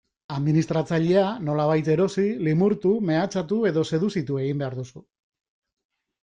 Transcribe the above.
Administratzailea nolabait erosi, limurtu, mehatxatu edo seduzitu egin behar duzu.